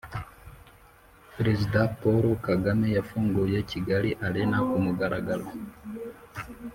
Perezida paul kagame yafunguye kigali arena kumugaragaro